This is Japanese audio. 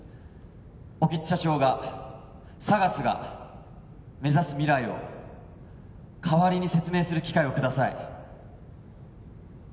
興津社長がＳＡＧＡＳが目指す未来を代わりに説明する機会をください